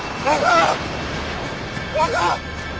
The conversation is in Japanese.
若！